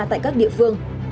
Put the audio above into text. tại các địa phương